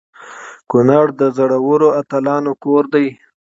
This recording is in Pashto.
کنړ د زړورو اتلانو کور دی.